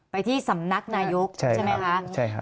ไปที่สำนักนายกใช่ไหมคะ